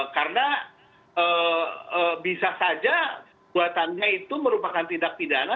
karena bisa saja buatannya itu merupakan tindak pidana